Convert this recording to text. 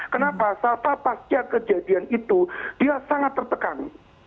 kenapa sapa pasca kejadian itu dia sangat tertekan